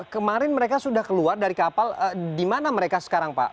kemarin mereka sudah keluar dari kapal di mana mereka sekarang pak